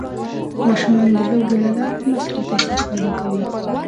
ماشومان د لوبو له لارې د مسؤلیت احساس پیدا کوي.